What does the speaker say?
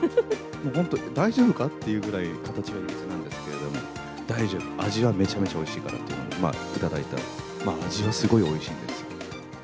本当、大丈夫か？っていうぐらい形がいびつなんですけれども、大丈夫、味はめちゃめちゃおいしいからと、まあ頂いたら、味はすごいおいしいんですよ。